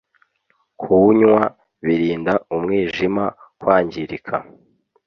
kuwunywa birinda umwijima kwangirika